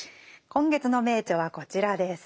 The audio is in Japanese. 今月の名著はこちらです。